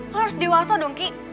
lo harus dewasa dong ki